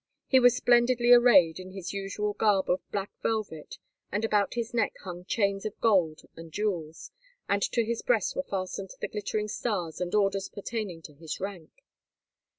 He was splendidly arrayed in his usual garb of black velvet, and about his neck hung chains of gold and jewels, and to his breast were fastened the glittering stars and orders pertaining to his rank.